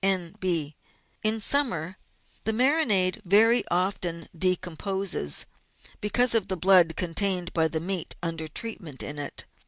N.B. — In summer the marinade very often decomposes, because of the blood contained by the meat under treatment in it.